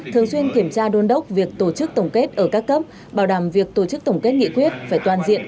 thường xuyên kiểm tra đôn đốc việc tổ chức tổng kết ở các cấp bảo đảm việc tổ chức tổng kết nghị quyết phải toàn diện